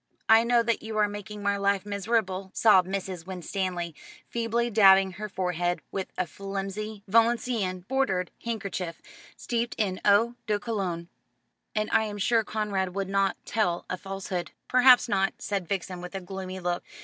"I know that you are making my life miserable," sobbed Mrs. Winstanley, feebly dabbing her forehead with a flimsy Valenciennes bordered handkerchief, steeped in eau de cologne, "and I am sure Conrad would not tell a falsehood." "Perhaps not," said Vixen with a gloomy look.